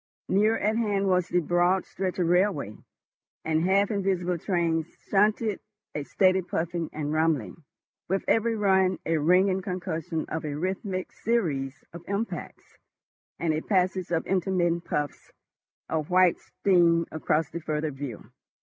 Nearer at hand was the broad stretch of railway, and half invisible trains shunted—a steady puffing and rumbling, with every run a ringing concussion and a rhythmic series of impacts, and a passage of intermittent puffs of white steam across the further view.